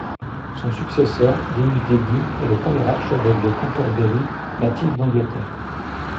Son successeur, Deusdedit, est le premier archevêque de Cantorbéry natif d'Angleterre.